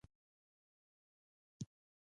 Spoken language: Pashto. امیر هغوی ښه ونازول.